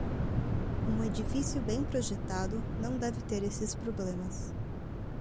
Um edifício bem projetado não deve ter esses problemas.